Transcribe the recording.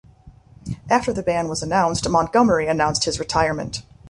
After the ban was announced, Montgomery announced his retirement.